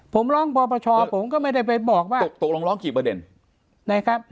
ผมร้องปปชผมก็ไม่ได้ไปบอกว่าตกตกลงร้องกี่ประเด็นนะครับ